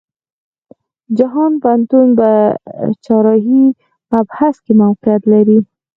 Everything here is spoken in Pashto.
جهان پوهنتون په چهارراهی محبس کې موقيعت لري.